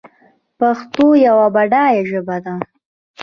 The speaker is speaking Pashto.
پښتو یوه بډایه ژبه ده.